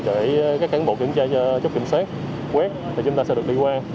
để các cán bộ kiểm tra chốt kiểm soát quét thì chúng ta sẽ được đi qua